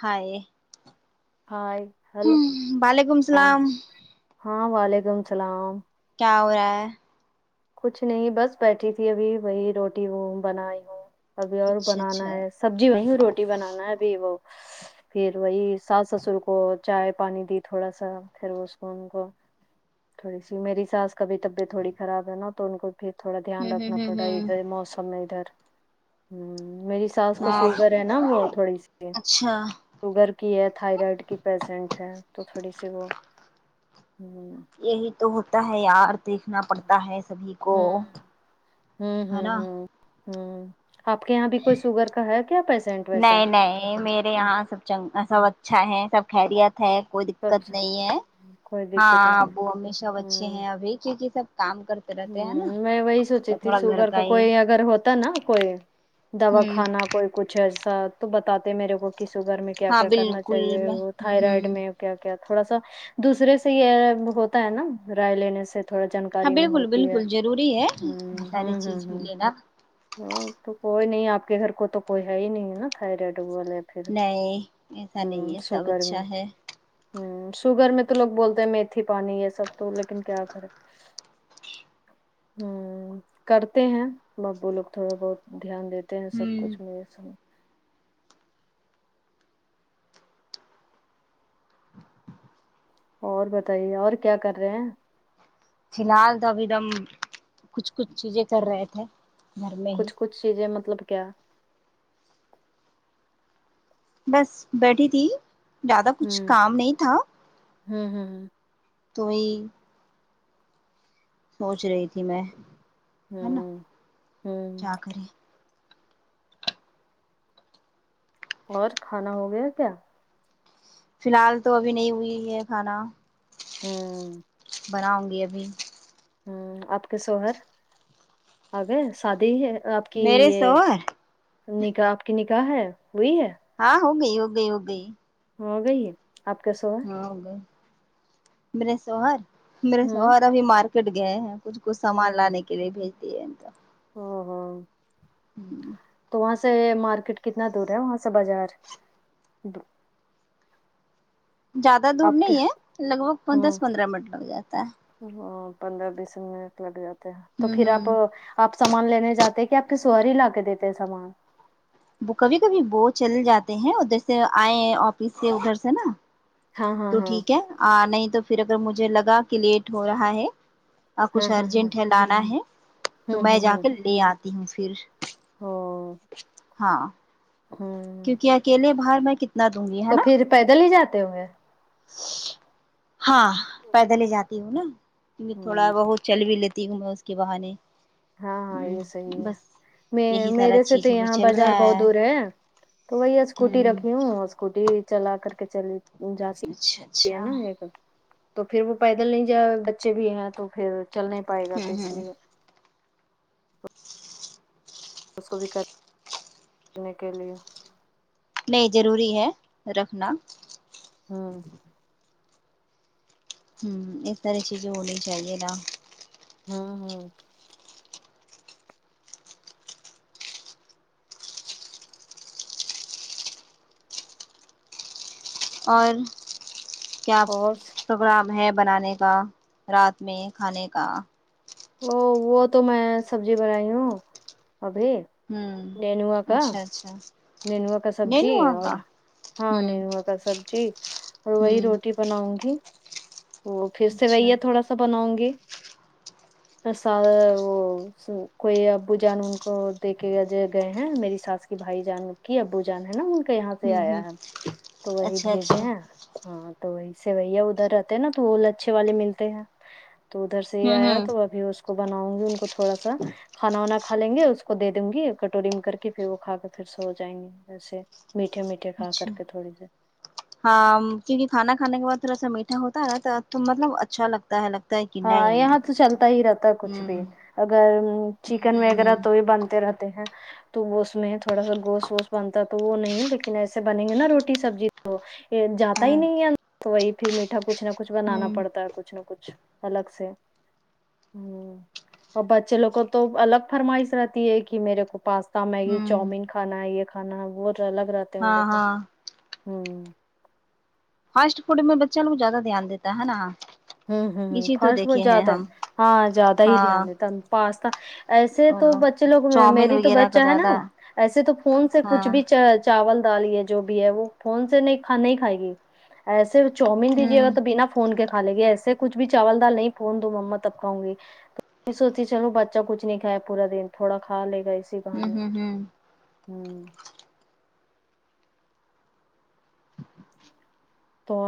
ہائے ہائے ہ ہلو وعلیکم اللام السلام ہاں وعلیکم السلام کیا ہو رہا ہے کچھ نہیں بس بیٹھی تھی ابھی وہی روٹی وہ بنائی ہوں ابھی اور اچھا بنانا اچھا ہے سبزی وہیں روٹی بنانا ہے ابھی وہ پھر وہی ساس سسر کو چائے پانی دی تھوڑا سا پھر اس کو ان کو تھوڑی سی میری ساس کا بھی طبیعت تھوڑی خراب نا تو ان کو پھر تھوڑا دھیان ہوں رکھنا ہوں ہوں پڑ رہا ہے ہوں ادھر موسم میں ادھر ہ میری ساس کا ہاں شوگر ہے نا وہ تھوڑی سی اچھا شوگر کی ہے تھائرائڈ کی پیرسنٹ ہے تو تھوڑی سی وہ ہ یہی تو ہوتا ہے یار دیکھنا پڑتا ہے سبھی کو ہ ہ ہوں ہے ہوں نا ہوں ہوں آپ کے یہاں بھی کوئی شوگر کا ہے کیا پیشنٹ ویسا نہیں نہیں میرے یہاں سب چنگ سب اچھا ہے سب خیریت ہے کوئی دقت سب نہیں ہے کوئی دقت نہیں ہاں وہ ہمیشہ اب اچھے ہیں ابھی کیونکہ سب کام کرتے رہتے ہیں نا ہ میں وہی سوچی تو تھی تھوڑا گھر شوگر کا ہی کوئی اگر ہوتا نا کوئی دوا ہوں کھانا کوئی کچھ ایسا تو بتاتے میرے کو کے شوگر میں کیا ہاں کیا کرنا بالکل چاہیے میں وہ ہوں تھائرائڈ ہوں میں کیا کیا تھوڑا سا دوسرے سے یہ ہوتا ہے نا رائے لینے سے تھوڑا جانکاری میں ہو کچھ ضروری ہے ساری ہوں چیز بھی ہوں لینا ہاں تو کوئی نہیں آپ کے گھر کو تو کوئی ہے ہی نہیں نا تھائرائڈ والے پھر نہیں ایسا ہوں نہیں ہے سب شوگر میں اچھا ہے ہوں شوگر میں تو لوگ بولتے ہیں میتھی پانی یہ سب تو لیکن کیا کرے ہوں کرتے ہیں ابو لوگ تھوڑے بہت دھیان دیتے ہیں سب ہوں کچھ میرے سامنے اور بتائیے اور کیا کر رہے ہیں فی الحال تو ابھی دم کچھ کچھ چیزیں کر رہے تھے گھر میں ہی کچھ کچھ چیزیں مطلب کیا بس بیٹھی تھی زیادہ کچھ ہوں کام نہیں تھا ہوں ہوں تو ہی سوچ رہی تھی میں نا ہوں ہوں کیا کریں اور کھانا ہو گیا کیا فی الحال تو ابھی نہیں ہوئی ہے کھانا ہوں بناؤں گی ابھی آپ کے شوہر آ گئے شادی ہی ہے آپ کی میرے یہ شوہر نکاح آپ کی نکاح ہے ہوئی ہے ہاں ہو گئی ہو گئی ہو گئی ہو گئی آپ کیسو ہاں ہو گئے میرے شوہر میرے ہوں شوہر ابھی مارکیٹ گئے ہیں کچھ کچھ سامان لانے کے لیے بھیج دیے تو ہاں ہاں ہمم تو وہاں سے مارکیٹ کتنا دور ہے وہاں سے بازار زیادہ دور آپ کے نہیں ہے لگ بھگ ہاں دس پندرہ منٹ لگ جاتا ہے ہاں پندرہ بیس منٹ لگ جاتے ہیں تو ہوں پھر آپ ہوں آپ سامان لینے جاتے کہ آپ کے شوہر ہی لا کے دیتے ہیں سامان وہ کبھی کبھی وہ چل جاتے ہیں جیسے آئے آفس سے ادھر سے نا ہاں ہاں تو ہاں ٹھیک ہے نہیں تو پھر اگر مجھے لگا کہ لیٹ ہو رہا ہے اور ہاں کچھ ہاں ہاں ارجینٹ ہے لانا ہے تو ہوں میں ہوں جا ہوں کے لے آتی ہوں پھر او ہاں ہوں کیونکہ اکیلے باہر میں کتنا دوں گی ہے تو نا پھر پیدل ہی جاتے ہوں گے ہاں پیدل ہی جاتی ہوں نا تھوڑا ہ بہت چل بھی لیتی ہوں میں اس کے بہانے ہاں ہاں ہ یہ صحیح ہے بس میں یہی سارا میرے سے چیز تو ابھی یہاں چل بازار رہا بہت دور ہے تو وہی اسکوٹی رکھی ہ ہوں اور اسکوٹی چلا کر کے چلی جا اچھا ہے اچھا نا ایک تو پھر وہ پیدل نہیں جائے بچے بھی ہیں تو پھر چل نہیں پائے گا ہوں تو اس ہوں لیے اس کو بھی کرنے کے لیے نہیں ضروری ہے رکھنا ہاں ہمم اس طرح چیزیں ہونی چاہیے نا ہاں ہاں اور کیا اور پروگرام ہے بنانے کا رات میں کھانے کا ا وہ تو میں سبزی بنائی ہوں ابھی ہمم نینوا کا اچھا اچھا نینوا کا نہیں سبزی وہاں اور کا ہاں ہوں نینوا کا سبزی اور وہی ہوں روٹی بناؤں گی تو پھر اچھا سیویا تھوڑا سا بناؤں گی [unintelligible] کوئی ابو جان ان کو دے کے گئے ہیں میری ساس کی بھائی جان کی ابو جان ہے نا ان کا یہاں سے ہوں ہوں آیا ہے تو وہی اچھا اچھا بھیجے ہیں ہاں تو وہی سے بیا ادھر رہتے ہیں نا تو وہ اچھے والے ملتے ہیں تو ادھر سے ہی ہوں آیا ہوں تو ابھی اس کو بناؤں گی ان کو تھوڑا سا کانا وانا کا لیں گے اس کو دے دوں گی کٹوری میں کر کے پھر وہ کھا کر پھر سو ہو جائیں گے اییسے میٹھے میٹھے کھا کر اچھا کے تھوڑے سی ہاں کیونکہ کھانا کھانے کے بعد تھوڑا سا میٹھا ہوتا ہے نا تو مطلب اچھا لگتا ہے لگتا ہے کہ ہاں نہیں یہاں تو چلتا ہی رہتا کچھ بھی ہوں اگر چکن ہوں وغیرہ ہوں تو ہی بنتے رہتے تے ہیں وہ اس میں تھوڑا سا گوش ووش بنتا تو وہ نہیں لیکن ایسے بنیں گے نا روٹی سبزی تو جاتا ہی ہاں نہیں ہے تو وہی پھر میٹھا کچھ نہ کچھ بنانا ہوں پڑتا ہے کچھ نہ کچھ الگ سے ہمم اور بچے لوگ کو تو الگ فرمائش رہتی ہے کہ میرے کو پاس تا میگی ہوں چاؤمین کھانا ہے یہ کھانا روز الگ رہتے ہیں ان ہاں لوگ ہاں ہوں فاسٹ فوڈ میں بچیا کو زیادہ دھیان دیتا ہےنا ہمم ہمم فاسٹ فوٹ زیادہ ہے ہاں زیادہ ہی ہاں دھیان دیتا پاستا ایسے اور تو لو بچے لوگ چاؤمین میری تو وغیرہ کا بچہ ہے نا زیادہ ایسے تو فون سے ہاں کچھ بھی چاول دال یہ جو بھی ہے وہ فون سے نہیں کھ نہیں کھائے گی ایسے چاومین دیجے ہوں تو بنا فون کے کھالے گے ایسے کچھ بھی چاول دال نہیں فون دو مما تب کھاؤں گی میں سوچی چلو بچہ کچھ نہیں کھایا پورا دن تھوڑا کھا لے گا اس ی ہوں بہانے ہوں ہوں ہمم تو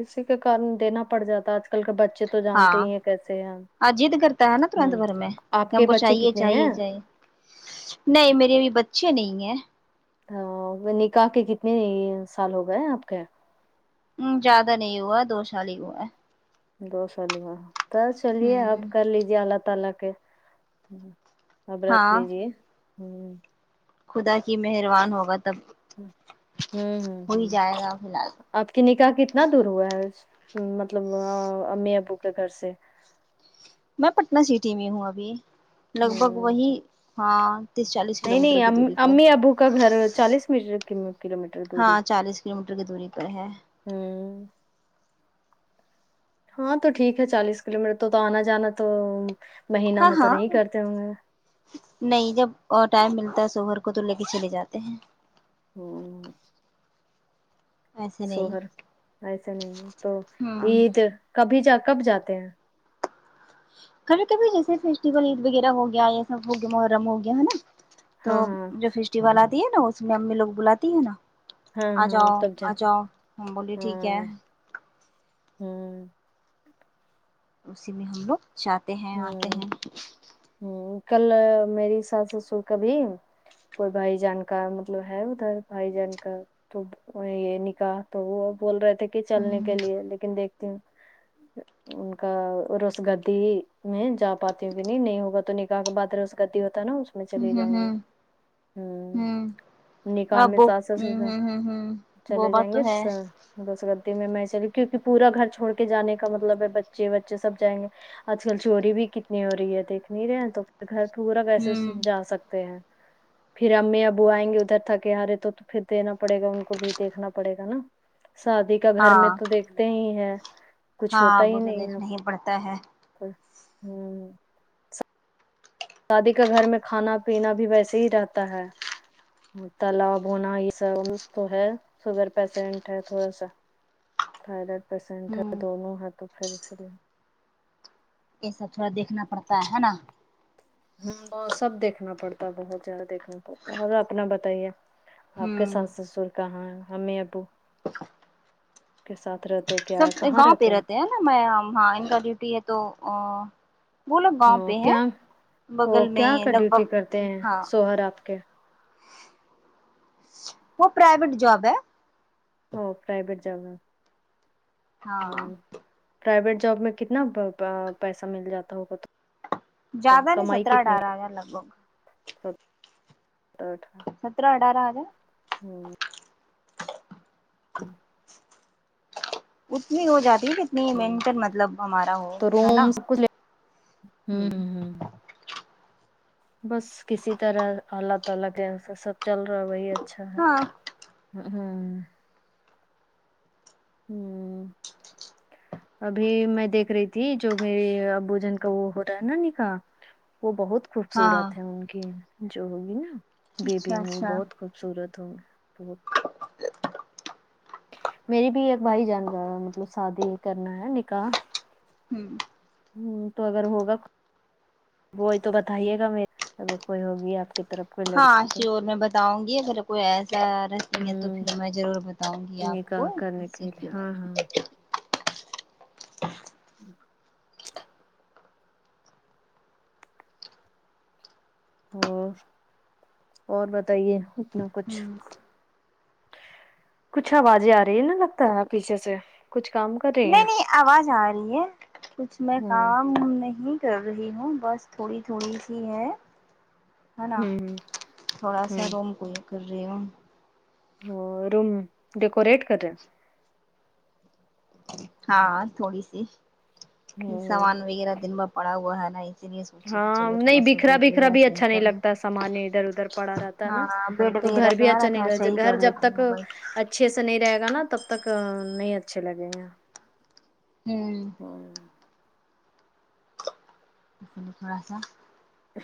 اسی کے کارن دینا پڑ جاتا ہے آج کل کے بچے تو جانتے ہاں ہی ہیں کیسے ہیں آ ضد کرتا ہے نا تورنت ہوں گھر میں آپ کہ ہم کے کو بچے چاہیے کتنے چاہیے ہیں چاہیے نہیں میری ابھی بچے نہیں ہیں ہاں نکاح کے کتنے سال ہو گئے آپ کے ہ زیادہ نہیں ہوا دو سال ہی ہوا دو سال ہی ہوا خیر چلیے اب ہوں کر لیجے اللہ تعالی کے اب رکھ ہاں لیجیے ہوں خدا کی مہربان ہوگا تب ہوں ہو ہی ہ جائے گا فی الحال آپ کی نکاح کتنا دور ہوا ہے مطلب امی ابو کے گھر سے میں پٹنہ سٹی میں ہوں ابھی لگ بھگ ہوں وہی ہاں تیس چالیس کلو نہیں میٹر کی نہیں دوری پر امی ابو کا گھر چالیس میٹر کلو میٹر دوری ہاں چالیس کلو میٹر کی دوری پر ہے ہمم ہاں تو ٹھیک ہے چالیس کلو میٹر تو تو آنا جانا تو مہینہ ہاں میں تو ہاں نہیں کرتے ہوں گے نہیں جب اور ٹائم ملتا ہے شوہر کو تو لے کے چلے جاتے ہیں ہوں ایسے نہیں شوہر ایسے نہیں ہے تو ہوں عید کبھی جا کب جاتے ہیں کبھی کبھی جیسے فیسٹیول عید وغیرہ ہو گیا یہ سب ہو گیا محرم ہو گیا ہے نا تو ہاں ہاں جو فیسٹیول آتی ہے نا اس میں امی لوگ بلاتی ہے نا ہاں آ ہاں جاؤ تب جا آ جاؤ ہم بولی ٹھیک ہے ہمم اسی میں ہم لوگ چاہتے ہیں آتے ہیں ہمم کل میری ساس سسر کبھی کوئی بھائی جان کا مطلب ہے ادھر بھائی جان کا تو وہی یہ نکاح تو وہ بول رہے تھے کہ چلنے کے ہوں لیے لیکن دیکھتی ہوں ان کا روس گدی میں جا پاتی ہوں کہ نہیں نہیں ہوگا تو نکاح کے بعد رس گدی ہوتا ہےنا اس میں چلی جاؤں گی ہ ہمم نکاح اب میں ساس ہمم سسر ہمم ہمم ہمم وہ بات تو ہے رس گدی میں میں چلی کیونکہ پورا گھر چھوڑ کے جانے کا مطلب ہے بچے بچے سب جائیں گے اچھ چوری بھی کتنی ہو رہی ہے دیکھ نہیں رہے ہیں تو گھر پورا کیسے ہوں سن جا سکتے ہیں پھر امی ابو آئیں گے ادھر تھکے ہارے تو پھر دینا پڑے گا ان کو بھی دیکھنا پڑے گا نا شادی کا گھر ہاں میں تو دیکھتے ہی ہے ہاں وہ تو دیکھنا ہی پڑتا ہے ہمم شادی کا گھر میں کھانا پینا بھی ویسے ہی رہتا ہے تالا بھونا یہ سب تو ہے سشوگر پیشنٹ ہے تھوڑا سا تھائیرائڈ پیشنٹ ہے ہوں دونوں ہاتھوں [unintelligible] یہ سب تھوڑا دیکھنا پڑتا ہے نا ہمم وہ سب دیکھنا پڑتا بہت زیادہ دیکھنا پڑتا اور اپنا بتائیے آپ کے ہوں ساس سسر کہاں ہے امی ابو کے ساتھ رہتے سب گاؤں پہ رہتے ہیں نا میں ہاں ان کا ڈیوٹی ہے تو وہ لوگ گاؤں ہ پہ ہے کیا بغل میں ہی لگ بھگ ہاں اور آپ کے وہ پرائوٹ جاب ہے ہو پرائیوٹ جاب ہاں ہمم پرائیویٹ جاب میں کتنا پیسہ مل جاتا ہوگا تو زیادہ نہیں کمائی سترہ کتنی اٹھارہ ہزار لگ بھگ سترہ اٹارہ آجائے گا ہمم اتنی ہو جاتی ہیں کہ نہیں ہ مینٹل مطلب ہمارا ہو تو ہے نا روم سب کچھ ہ ہ بس کسی طرح اللہ تعالی کے سے سب چل رہا ہے وہی اچھا ہاں ہمم ہوں ابھی میں دیکھ رہی تھی جو میرے بوجن کا وہ ہو رہا ہے نا نکاح وہ بہت ہاں خوبصورت ہے ان کی جو ہوگی نا بی بیی اچھا وہ اچھا بہت خوب صورت ہو بہت میری بھی ایک بھائی جان کا مطلب شادی کرنا ہے نکاح ہوں ہوں تو اگر ہوگا وہی تو بتائیے گا مے اب کوئی ہوگی آپ کی طرف کوئی ہاں لڑکی تو شیور میں بتاؤں گی اگر کوئی ایسا رہتی ہے تو پھر ہ میں ضرور بت بتاؤں گی آپ کو نکاح کرنے اسی لیے کے بارے ہاں میں ہاں اور اور بتائیے اپنا ہ کچھ نہیں کچھ آوازیں آ رہی ہے نا لگتا ہے پیچھے سے کچھ کام کر رہی ہیں نہیں آواز آ رہی ہے کچھ میں ہوں کام نہیں کر رہی ہوں بس تھوڑی تھوڑی سی ہے ہے نا ہوں تھوڑا سا ہوں روم کو یہ کر رہی ہوں ا روم ڈیکوریٹ کر رہے ہاں تھوڑی سی ہوں سامان وغیرہ دن بھر پڑا ہوا ہے نا اسی لیے سوچے کہ ہاں چلو نہیں تھوڑا سا بکھرا بیڈ بکھرا وغیرہ بھی صحیح اچھا نہیں کر لیں لگتا سامان ادھر ادھر پڑا رہت تا نا ہاں بیڈ تو وغیرہ گھر جو بھی ہے اچھا نا نہیں تھوڑا لگ صحیح گھر کر جب لیتی تک ہوں اچ اچھے سے نہیں رہے گا نا تب تک نہیں اچھے لگیں گے ہوں ہوں [unintelligible]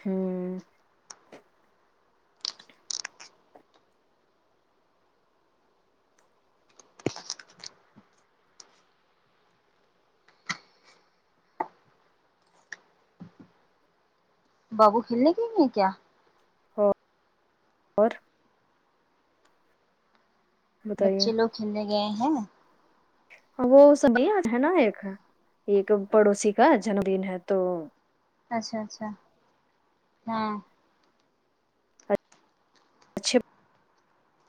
ہوں بابو کھیلنے گۓ ہیں کیا اور بتائیے بچے لوگ کھیلنے گئے ہیں وہ سب ہے نا ایک ایک پڑوسی کا جنم دن ہے تو اچھا اچھا ہاں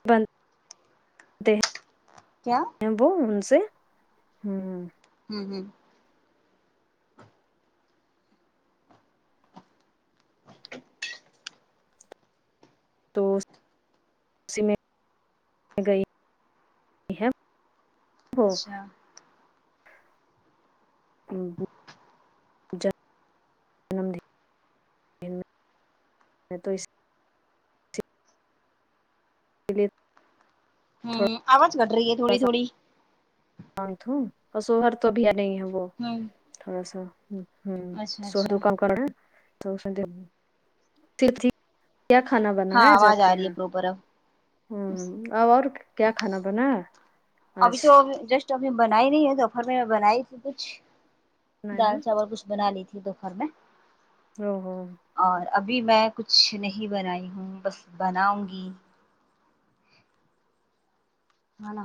بند دے کیا وہ ان سے ہمم ہوں ہوں تو اسی میں گئی یہ ہو اچھا [unintelligible] جنم دیک میں تو اس پلی ہوں آواز کٹ رہی ہے تھوڑی تھوڑی انت ہو سوہر تو بھی یہاں نہیں ہے وہ ہوں تھوڑا سا ہ اچھا سوہر اچھا [unintelligible] کام کرنا ہے [unintelligible] کیا کھانا بنا ہاں ہے آج آواز آپ کے آ رہی ہے یہاں پراپر اب ہمم اور کیا کھانا بنا ابھی آج تو جسٹ اب نے بنائی نہیں ہے دوپہر میں بنائی تھی کچھ بنا ہے دال چاول کچھ بنا لی تھی دو پھر میں او ہو اور ابھی میں کچھ نہیں بنائی ہوں بس بناؤں گی کھانا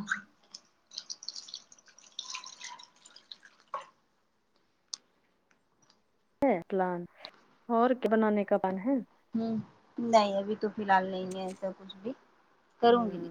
ہے پلان اور کیا بنانے کا پلان ہے ہوں نہیں ابھی تو فی الحال نہیں ہے ایسا کچھ بھی کروں گی ہ